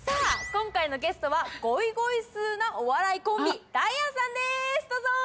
今回のゲストはごいごいすーなお笑いコンビダイアンさんです